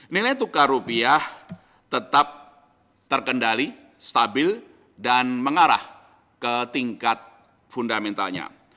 nilai tukar rupiah tetap terkendali stabil dan mengarah ke tingkat fundamentalnya